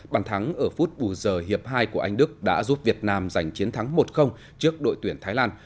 bàn thắng ở phút bù giờ hiệp hai của anh đức đã giúp việt nam giành chiến thắng một trước đội tuyển thái lan